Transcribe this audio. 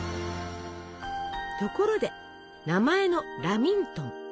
ところで名前の「ラミントン」。